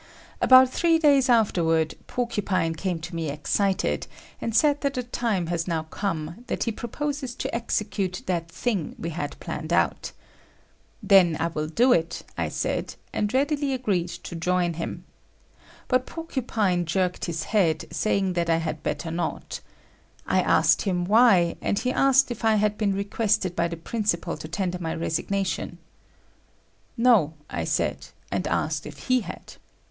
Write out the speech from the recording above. About three days afterward, Porcupine came to me excited, and said that the time has now come, that he proposes to execute that thing we had planned out. Then I will do so, I said, and readily agreed to join him. But Porcupine jerked his head, saying that I had better not. I asked him why, and he asked if I had been requested by the principal to tender my resignation. No, I said, and asked if he had.